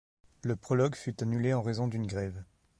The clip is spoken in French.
Le prologue fut annulé en raison d'une grève.